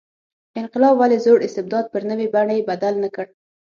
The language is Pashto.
انقلاب ولې زوړ استبداد پر نوې بڼې بدل نه کړ.